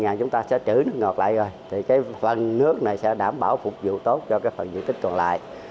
một năm mươi ngàn chúng ta sẽ trữ nước ngọt lại rồi thì cái phần nước này sẽ đảm bảo phục vụ tốt cho cái phần dự tích còn lại